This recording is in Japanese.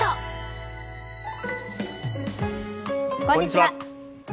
こんにちは。